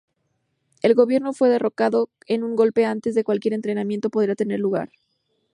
El gobierno fue derrocado en un golpe antes de cualquier entrenamiento podría tener lugar.